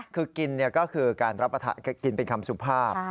คือกินก็คือการรับประกินเป็นคำสุภาพ